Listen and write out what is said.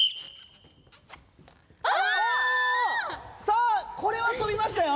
さあこれは飛びましたよ！